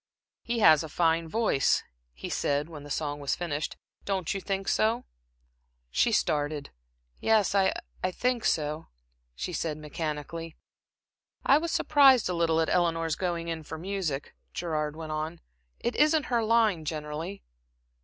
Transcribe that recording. "He has a fine voice," he said, when the song was finished. "Don't you think so?" She started. "Yes, I I think so," she said, mechanically. "I was surprised a little at Eleanor's going in for music," Gerard went on. "It isn't her line, generally."